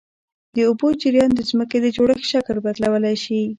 د اوبو جریان د ځمکې د جوړښت شکل بدلولی شي.